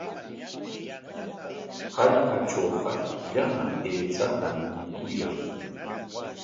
Hallqatrawqa llama aychatam mikuyan.